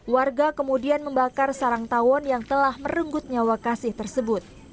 warga kemudian membakar sarang tawon yang telah merenggut nyawa kasih tersebut